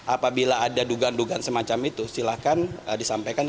apabila ada duga dugaan semacam itu silakan disampaikan